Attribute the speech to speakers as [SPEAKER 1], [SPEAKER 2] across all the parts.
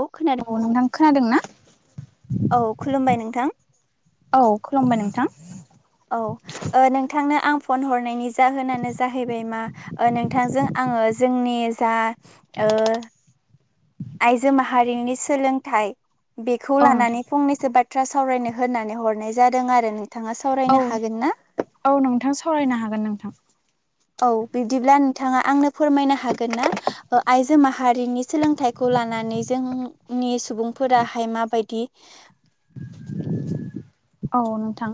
[SPEAKER 1] औ खोनादों
[SPEAKER 2] औ नोंथां खोनादों ना
[SPEAKER 1] औ खुलुमबाय नोंथां
[SPEAKER 2] औ खुलुमबाय नोंथां
[SPEAKER 1] औ ओ नोंथांनो आं फन हरनायनि जाहोनानो जाहैबाय मा ओ नोंथांजों आं आङो जोंनि जा ओ आइजो माहारिनि सोलोंथाइ बेखौ
[SPEAKER 2] औ नोंथां
[SPEAKER 1] लानानै फंनैसो बा थ्रा सावरायनो होनानै हरनाय जादों आरो नोंथाङा
[SPEAKER 2] औ
[SPEAKER 1] सावरायनो हागोन ना?
[SPEAKER 2] औ नोंथां सावरायनो हागोन नोंथां
[SPEAKER 1] औ बिब्दिब्ला नोंथाङा आंनो फोरमायनो हागोन ना आइजो ओ माहारिनि सोलोंथाइ खौ लानानै जोंनि सुबुंफोराहाय माबायदि [inaudible]
[SPEAKER 2] औ नोंथां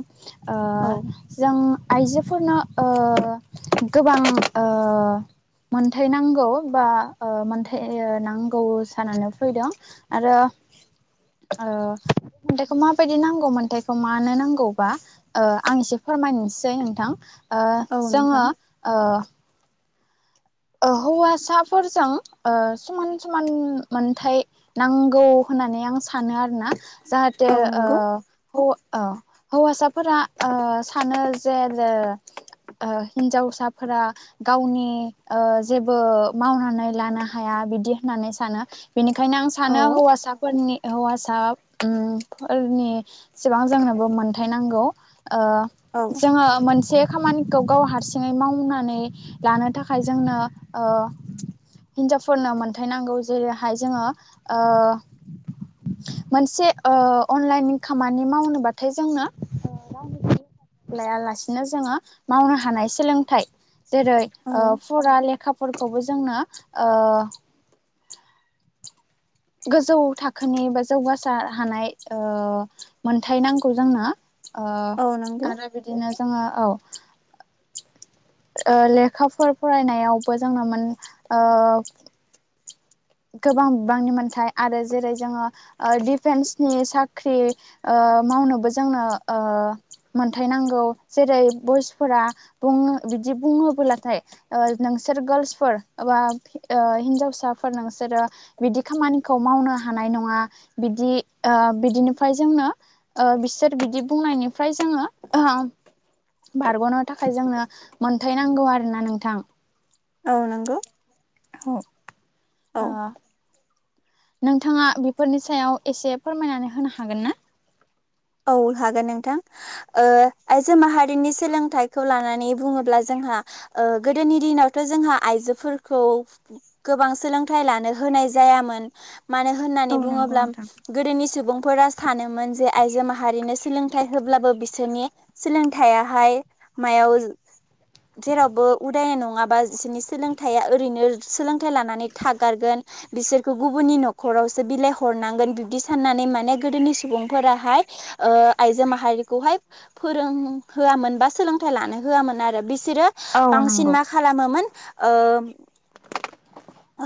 [SPEAKER 2] ओ
[SPEAKER 1] औ
[SPEAKER 2] जों आइजोफोरनाव ओ गोबां ओ मोनथाय नांगौ बा ओ मोनथाय नांगौ जानानै फैदों आरो
[SPEAKER 1] [inaudible]
[SPEAKER 2] ओ थाइखौ माबायदि नांगौ मोनथाय खौ मानो नांगौबा ओ आं इसे फोरमायनोसै नोंथां ओ
[SPEAKER 1] औ
[SPEAKER 2] जोङो
[SPEAKER 1] नोंथां
[SPEAKER 2] ओ ओ हौवासाफोरजों ओ समान समान मोनथाय नांगौ हो नानै आं सानो आरोना जाहाथे
[SPEAKER 1] औ
[SPEAKER 2] ओ
[SPEAKER 1] नंगौ
[SPEAKER 2] हौ ओ हौवासाफोरा ओ सानो जे आरो हिन्जावसाफोरा गावनि ओ जेबो मावनानै लानो हाया बिदि होननानै सानो बेनिखायनो आं
[SPEAKER 1] औ
[SPEAKER 2] सानो हौवासाफोरनि हौवासा ओम फोरनि सिबां जोंनोबो मोनथाय नांगौ ओ
[SPEAKER 1] औ
[SPEAKER 2] जोङो मोनसे खामानिखौ गाव हारसिङै मावनानै लानो थाखाय खाय जोंनो ओ हिनजावफोरनो मोनथाय नांगौ जेरैहाय जोङो ओ मोनसे ओ अनलाइननि खामानि मावनोबाथाय जोंनो लायालासिनो जोङो मावनो हानाय सोलोंथाइ जेरै
[SPEAKER 1] औ
[SPEAKER 2] ओ फुरा लेखाफोरखौबो जोंनो ओ गोजौ थाखोनि बा जौगासार हानाय ओ मोनथाय नांगौ जोंनो ओ
[SPEAKER 1] औ नंगौ
[SPEAKER 2] आरो बिदिनो जोङो औ ओ लेखाफोर फरायनायावबो जोङो मोन ओ गोबां बिबांनि मोनथाय आरो जेरै जोङो ओ डिफेन्सनि साख्रि ओ ओ मावनोबो जोंनो ओ मोनथाय नांगौ जेरै बयसफोरा बुङो बिदि बुङोब्लाथाय ओ नों सोर गार्लसफोर बा ओ हिनजावसा फोर नोंसोरो बिदि खामानिखौ मावनो हानाय नङा बिदि ओ बिदिनिफाय जोङो ओ बिसोर बिदि बुंनायनिफ्राय जोङो ओ बारग'नो थाखाय जोंनो मोनथाय नांगौ आरो ना नोंथां
[SPEAKER 1] औ नंगौ
[SPEAKER 2] हो
[SPEAKER 1] औ
[SPEAKER 2] ओ नोंथांङा बेफोरनि सायाव एसे फोरमायनानै होनो हागोन ना
[SPEAKER 1] औ हागोन नोंथां ओ आइजो माहारिनि सोलोंथाइखौ लानानै बुंङोब्ला जों हा गोदोनि दिनावथ' जोंहा आइजोफोरखौ गोबां सोलोंथाइ लानो होनाय नाय जायामोन मानो
[SPEAKER 2] औ
[SPEAKER 1] होननानै
[SPEAKER 2] नंगौ
[SPEAKER 1] बुंङोब्ला
[SPEAKER 2] नोंथां।
[SPEAKER 1] गोदोनि सुबुंफोरा सानोमोन जे आइजो माहा माहारिनो सोलोंथाइ होब्लाबो बिसोरनि सोलोंथायाहाय मायाव जेरावबो उदाय नंङाबा बिसोरनि सोलोंथाया ओरैनो सोलोंथाइ लानानै थागारगोन बिसोरखौ गुबुननि न'खरावसो बिलाइ हरनांगोन बिब्दि साननानै माने गोदोनि सुबुंफोराहाय ओ आइजो माहारिखौहाय फोरों होयामोन बा सोलोंथाइ लानो होआमोन आरो सोरो
[SPEAKER 2] औ
[SPEAKER 1] बांसिन
[SPEAKER 2] नंगौ
[SPEAKER 1] मा खालामोमोन ओ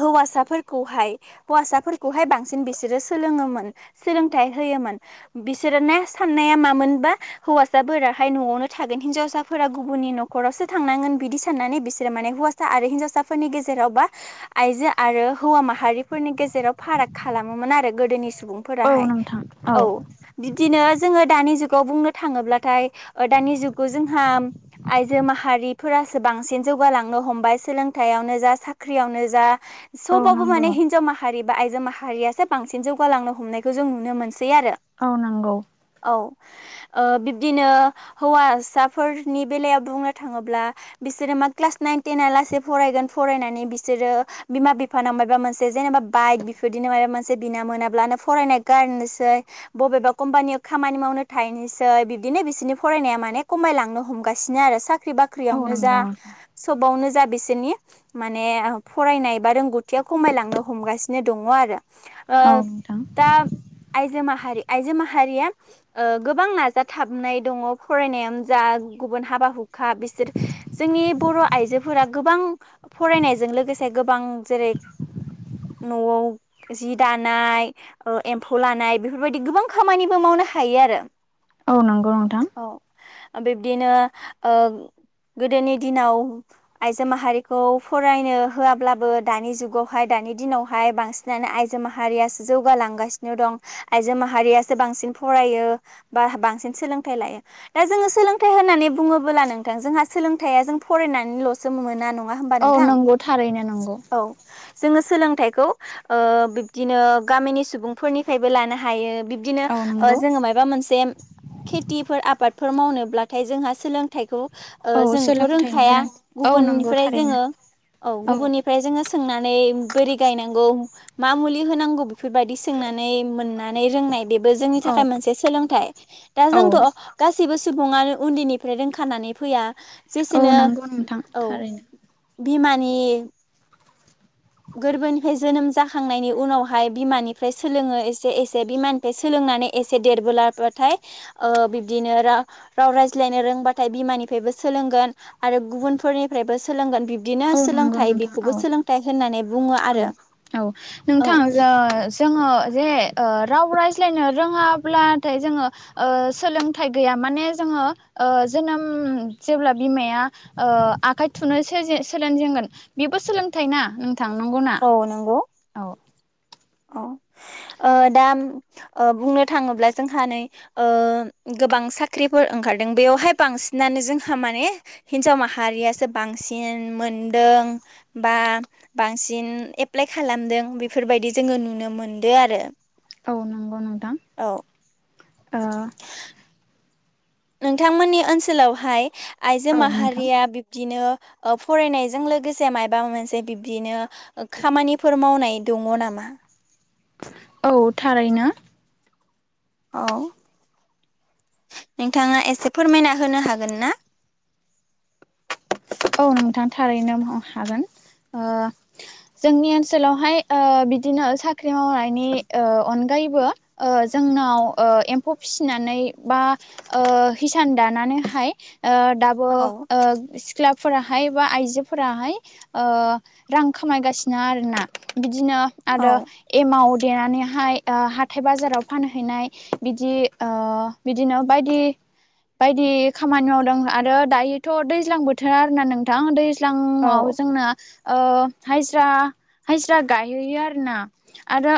[SPEAKER 1] हौवासाफोरखौहाय हौवासाफोरखौहाय बांसिन बिसोरो सोलोङोमोन सोलोंथाइ हो होयोमोन बिसोर ने साननाया मामोनबा हौवसाफोराहाय न'आवनो थागोन हिनजावसाफोरा गुबुननि नख'रावसो थांनांगोन बिदि साननानै बिसोरो माने हौवासा आरो हिनजावसाफोरनि गेजेरावबा आइजो आरो हौवा माहारिफोरनि गेजेराव फाराग खालामोमोन आरो गोदोनि स
[SPEAKER 2] औ
[SPEAKER 1] बुंफोराहाय
[SPEAKER 2] नोंथां
[SPEAKER 1] औ बिदिनो जोङो दानि जुगाव बुंनो थांङोब्लाथाय दानि जुगाव जोंहा आइजो माहारिफोरा बांसिन जौगालांनो हमबाय सोलोंथायावनो जा साख्रियावनो जा
[SPEAKER 2] औ
[SPEAKER 1] सबावबो
[SPEAKER 2] नंगौ
[SPEAKER 1] माने हिनजाव माहारि बा आइजो माहारियासो बांसिन जौगालांनो हमनायखौ जों नुनो मोनसै आरो
[SPEAKER 2] औ नंगौ
[SPEAKER 1] औ ओ बिब्दिनो हौवासाफोरनि बेलायाव बुंनो थाङोब्ला बिसोरो मा क्लास नाइन टेन लासै फरायगोन फरायनानै बिसोरो बिमा बिफानाव माबा मोनसे जेनेबा बाइक बिफोरदिनो माबा मोनसे बिना मोनाब्लानो फरायनाय गारनोसो बबेबा कम्पानियाव खामानि मावनो थाहैनोसै बिब्दिनो बिसोरनि फरायनाया माने खमायलांनो हम गासिनो आरो साख्रि
[SPEAKER 2] औ
[SPEAKER 1] बाख्रियावनो जा
[SPEAKER 2] नंगौ
[SPEAKER 1] सबावनो जा बिसोरनि माने फरायनाय बा रोंगौथिया खमायलांनो हमगासिनो दंङो आरो ओ
[SPEAKER 2] औ नोंथां
[SPEAKER 1] दा आइजो माहारि आइजो माहारिया ओ गोबां नाजाथाबनाय दङ फरायनायानो जा गुबुन हाबा हु खा बिसोर जोंनि बर' आइजोफोरा गोबां फरायनायजों लोगोसे से गोबां जेरै न'आव जि दानाय ओ एम्फौ लानाय बेफोरबायदि गोबां खामानिबो मावनो नो हायो आरो
[SPEAKER 2] औ नंगौ नोंथां
[SPEAKER 1] औ बिब्दिनो ओ गोदोनि दिनाव आइजो माहारिखौ फरायनो होआब्लाबो दानि जुगावहाय दानि दिनावहाय बांसिनानो आइजो माहारियासो जौगालांगासिनो दं । आइजो माहारियासो बांसिन फरायो बा बांसिन सोलोंथाइ लायो दा जोङो सोलोंथाइ होननानै बुंङोबोला नोंथां जोंहा सोलोंथाया जों फरायनानैल'सो मोना नङा होमबा
[SPEAKER 2] औ
[SPEAKER 1] नोंथां
[SPEAKER 2] नंगौ थारैनो नंगौ
[SPEAKER 1] औ जोङो सोलोंथाइखौ बिब्दिनो गामिनि सुबुंफोरनिफ्रायबो लानो हायो बिबदिनो
[SPEAKER 2] औ नंगौ
[SPEAKER 1] जोंङो माबा मोनसे खेथिफोर आबाद फोर मावनोब्लाथाय जोंहा सोलोंथाइखौ
[SPEAKER 2] औ
[SPEAKER 1] जोंथ'
[SPEAKER 2] सोलोंथाइनि
[SPEAKER 1] रोंखाया
[SPEAKER 2] गोनां औ नंगौ
[SPEAKER 1] गुबुननिफ्राय
[SPEAKER 2] थारैनो
[SPEAKER 1] जोंङो औ गुबुननिफ्राय जोंङो सोंनानै बोर गायनांगौ मा मुलि होनांगौ बेबो जोंनि थाखाय
[SPEAKER 2] औ
[SPEAKER 1] मोनसे सोलोंथ दा
[SPEAKER 2] औ
[SPEAKER 1] जोंथ' गासिबो सुबुंआनो उन्दैनिफ्राय रोंखानानै फैया
[SPEAKER 2] औ
[SPEAKER 1] जेसेनो
[SPEAKER 2] नंगौ नोंथां
[SPEAKER 1] औ
[SPEAKER 2] थारैनो
[SPEAKER 1] बिमानि गोरबोनिफ्राय जोनोम जाखांनायनि उनावहाय बिमानिफ्राय सोलोङो एसे एसे बिमानिफ्राय सोलोङो [unintelligible] एसे देरबोलाथाय ओ बिब्दिनो रा राव रायज्लायनो रोंबाथाय बिमानिफ्राय सोलोंगोन आरो गुबुनफोरनिफ्रायबो सोलोंगोन बिब्दिनो
[SPEAKER 2] औ नंगौ
[SPEAKER 1] सोलोंथाइ
[SPEAKER 2] नोंथां
[SPEAKER 1] बेखौबो
[SPEAKER 2] औ
[SPEAKER 1] सोलोंथाइ होननानै बुङो आरो
[SPEAKER 2] औ औ
[SPEAKER 1] औ
[SPEAKER 2] नोंथां जो जोङो जे राव रायज्लायनो रोङाब्लाथाय जोङो सोलोंथाइ गैयामोन माने जोङो जोनोम जेब्ला बिमाया ओ आखाइ थुनो सोजे सोलोंजेनगोन बेबो सोलोंथाइ ना नों नंगौ ना औ
[SPEAKER 1] अ दा बुंनो थाङोब्ला जोंहा नै गोबां साख्रिफोर ओंखारदों बेयावहाय बांसिनानो जोंहा माने हिनजाव माहारियासो बांसिन मोनदों बा बांसिन एप्लाइ खालामदों बेफोर बायदि जोङो नुनो मोनदों आरो
[SPEAKER 2] औ नांगौ नोंथां
[SPEAKER 1] औ
[SPEAKER 2] ओ
[SPEAKER 1] नोंथांमोननि ओनसोलावहाय आइजो
[SPEAKER 2] औ नोंथां
[SPEAKER 1] माहारिया बिब्दिनो फरायनायजों लोगोसे मायबा मोनसे बिब्दिनो खामानिफोर मावनाय दङ नामा [unintelligible]
[SPEAKER 2] औ थारैनो
[SPEAKER 1] औ नोंथाङा एसे फोरमायना होनो हागोनना
[SPEAKER 2] औ नोंथां थारैनो हागोन ओ जोंनि ओनसोलावहाय बिदिनो साख्रि मावनायनि ओ अनगा यैबो जोंनाव एम्फौ फिसिनानै बा हिसान दानानै [unintelligible] दाबो
[SPEAKER 1] औ
[SPEAKER 2] फिसाफोराहाय बा आइजोफोराहाय रां खामायगासिनो आरोना बिदिनो आरो
[SPEAKER 1] औ
[SPEAKER 2] एमाव देनानै हाय हाथाय बाजाराव फानहैनाय बिदि बिदिनो बायदि बायदि खामानि मावदों आरो दायोथ' दैज्लां बोथोर बोथोर आरोना नोंथां
[SPEAKER 1] औ
[SPEAKER 2] दैज्लाङाव जोंना हजिरा हाजिरा गायहैयो आरोना आरो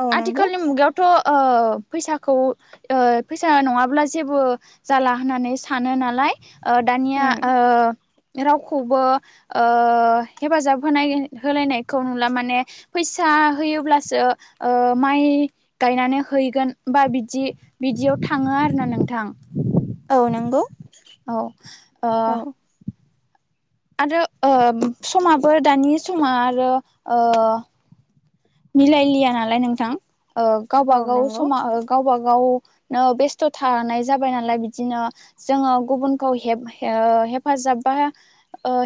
[SPEAKER 1] औ नंगौ
[SPEAKER 2] आथिखालनि मुगायावथ' ओ फैसाखौ फैसा नङाब्ला जेबो जाला होननानै सानो नालाय ओ दानिया
[SPEAKER 1] उम
[SPEAKER 2] ओ रावखौबो हेफाजाब होनाय होलायनायखौ नुला माने फैसा होयोब्लासो माइ गायनानै हैगोन बा बि बिदियाव थाङो आरोना नोंथां
[SPEAKER 1] औ नंगौ
[SPEAKER 2] औ
[SPEAKER 1] औ
[SPEAKER 2] ओ आरो समाबो दानि समा आरो मिलायलिया नालाय नोंथां
[SPEAKER 1] औ
[SPEAKER 2] गावबागाव
[SPEAKER 1] नंगौ
[SPEAKER 2] समा गावबा गाव गावनो बेस्थ' थानाय जाबाय नालाय बिदिनो जोङो गुबुनखौ हेप हेफाजाबबा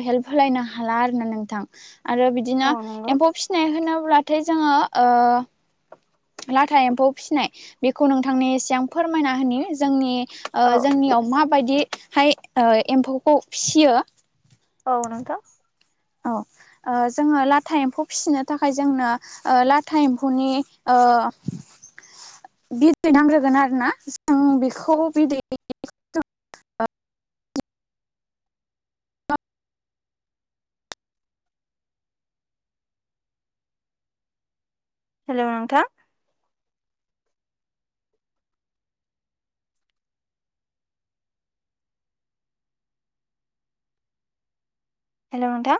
[SPEAKER 2] हेल्प होलायनो हाला आरोना नोंथां आरो बिदिनो
[SPEAKER 1] औ नंगौ
[SPEAKER 2] एम्फौ फिसिनाय होनोब्लाथाय जोङो ओ लाथा एम्फौ फिसिनाय बेखौ नोंथांनो एसे आं फोरमायना होनि जोंनि ओ
[SPEAKER 1] औ
[SPEAKER 2] जोंनियाव माबायदिहाय एम्फौखौ फिसियो
[SPEAKER 1] औ नोंथां
[SPEAKER 2] औ ओ जोङो लाथा एम्फौ फिसिनो थाखाय जोंनो लाथा एम्फौनि ओ ओ बिदै नांग्रोगोन आरोना जों बेखौ बिदै
[SPEAKER 1] हेलौ नोंथा हेलौ नोंथां